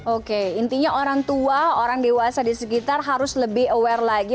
oke intinya orang tua orang dewasa di sekitar harus lebih aware lagi